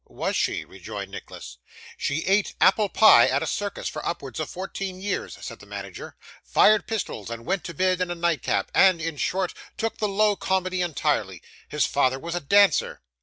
'Was she?' rejoined Nicholas. 'She ate apple pie at a circus for upwards of fourteen years,' said the manager; 'fired pistols, and went to bed in a nightcap; and, in short, took the low comedy entirely. His father was a dancer.